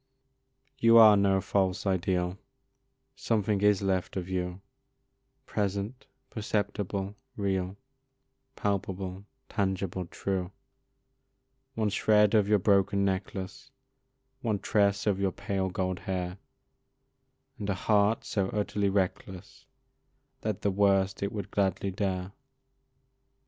You are no false ideal, Something is left of you, Present, perceptible, real, Palpable, tangible, true; One shred of your broken necklace, One tress of your pale, gold hair, And a heart so utterly reckless, That the worst it would gladly dare.